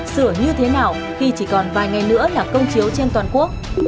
sửa như thế nào khi chỉ còn vài ngày nữa là công chiếu trên toàn quốc